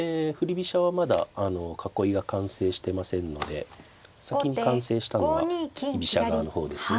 飛車はまだ囲いが完成してませんので先に完成したのは居飛車側の方ですね。